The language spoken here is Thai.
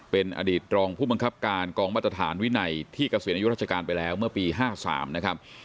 เป็นอดีตรองผู้บังคับการกองมาตรฐานวินัยที่เกษียณอายุราชการไปแล้วเมื่อปี๕๓นะครับ